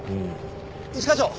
一課長！